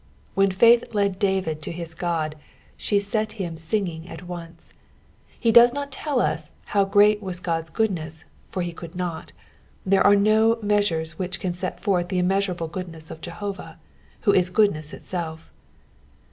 When faith led David to his Qod, she set him sinfpng at once. He doea not tell us how great was Qod's goodness, for be could not ; there are no measures which con set forth the immeasurable goodness of Jehovah, who is «x>dnEss itself.